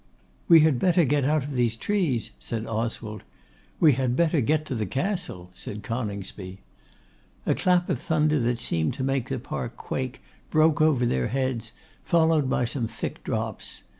'We had better get out of these trees,' said Oswald. 'We had better get to the Castle,' said Coningsby. A clap of thunder that seemed to make the park quake broke over their heads, followed by some thick drops.